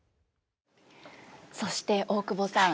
そして大久保さん